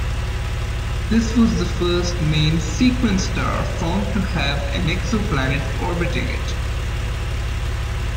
This was the first main-sequence star found to have an exoplanet orbiting it.